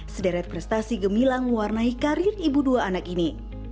sederet prestasi gemilang mewarnai karir ibu dua anak ini